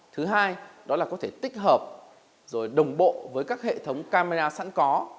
thứ hai đó là có thể tích hợp rồi đồng bộ với các hệ thống camera sẵn có